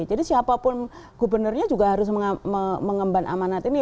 jadi siapapun gubernurnya juga harus mengembang amanat ini